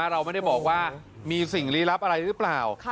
เราไม่ได้บอกว่ามีสิ่งลี้ลับอะไรหรือเปล่า